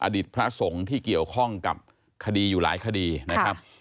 พระสงฆ์ที่เกี่ยวข้องกับคดีอยู่หลายคดีนะครับ